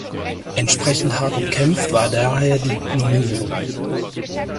Entsprechend hart umkämpft war daher die Nominierung.